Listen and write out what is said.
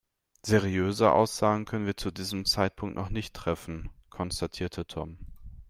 "Seriöse Aussagen können wir zu diesem Zeitpunkt noch nicht treffen", konstatierte Tom.